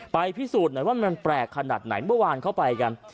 พิสูจน์หน่อยว่ามันแปลกขนาดไหนเมื่อวานเข้าไปกัน